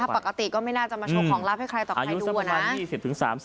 ปกติก็ไม่น่าจะมาโชว์ของลับให้ใครต่อใครดูนะ